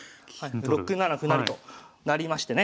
６七歩成となりましてね